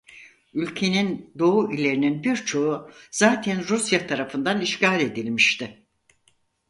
Ülkenin doğu illerinin birçoğu zaten Rusya tarafından işgal edilmişti.